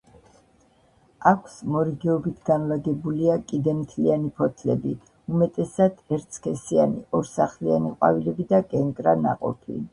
აქვს მორიგეობით განლაგებულია კიდემთლიანი ფოთლები, უმეტესად ერთსქესიანი ორსახლიანი ყვავილები და კენკრა ნაყოფი.